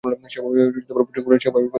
সেভাবে পরিকল্পনা করো।